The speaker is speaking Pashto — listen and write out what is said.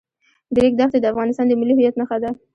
د ریګ دښتې د افغانستان د ملي هویت نښه ده.